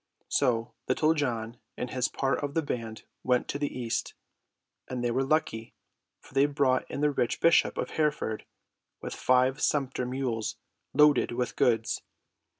So Little John and his part of the band went to the east; and they were lucky, for they brought in the rich bishop of Hereford with five sumpter mules loaded with goods.